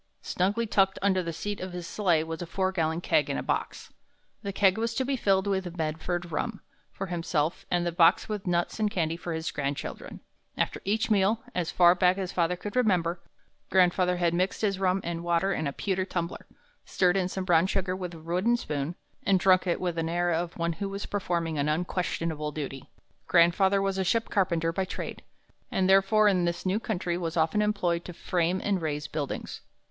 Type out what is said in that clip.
Snugly tucked under the seat of his sleigh was a four gallon keg and a box. The keg was to be filled with Medford rum for himself, and the box with nuts and candy for his grandchildren. After each meal, as far back as father could remember, grandfather had mixed his rum and water in a pewter tumbler, stirred in some brown sugar with a wooden spoon, and drunk it with the air of one who was performing an unquestionable duty. "Grandfather was a ship carpenter by trade, and therefore in this new country was often employed to frame and raise buildings.